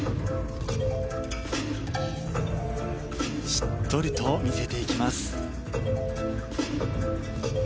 しっとりと見せていきます。